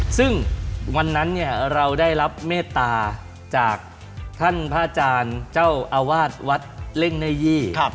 ซึ่งวันนั้นเนี่ยเราได้รับเมตตาจากท่านพระอาจารย์เจ้าอาวาสวัดเล่งเน่ยี่